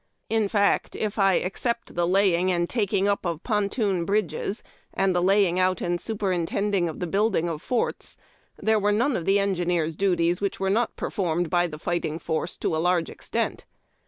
In fact, if I except the laying and A TRESTLE I5RIDGE, NO. 1. taking up of pontoon bridges, and the laying out and superintending of the building of forts, there were none of the engineers' duties which were not performed by the fio hting force to a large extent.